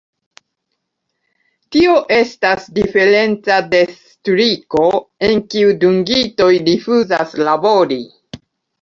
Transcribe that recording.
Tio estas diferenca de striko, en kiu dungitoj rifuzas labori.